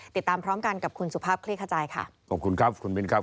ติดตามพร้อมกันกับคุณสุภัพธ์เวลาข้อใจค่ะขอบคุณครับคุณมินครับ